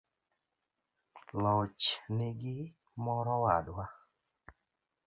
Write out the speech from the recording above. loch nigi morowadwa